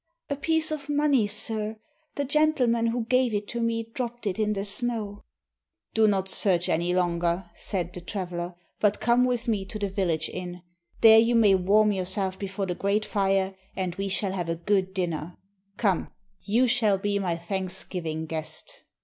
"A piece of money, sir. The gentleman who gave it to me dropped it in the snow." "Do not search any longer," said the traveler, "but come with me to the village inn. There you may warm yourself before the great fire, and we shall have a good dinner. Come, you shall be my Thanksgiving guest."